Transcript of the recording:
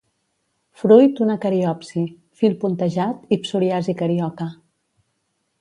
Fruit una cariopsi; fil puntejat i psoriasi carioca.